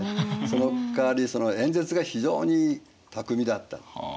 そのかわり演説が非常に巧みだった。